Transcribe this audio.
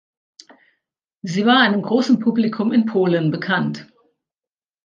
Sie war einem großen Publikum in Polen bekannt.